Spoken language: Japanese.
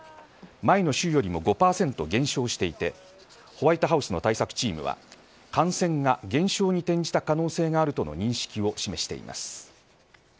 前の週よりも５％減少していてホワイトハウスの対策チームは感染が減少に転じた可能性があると認識を示しています。